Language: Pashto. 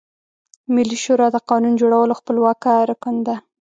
ملي شورا د قانون جوړولو خپلواکه رکن ده.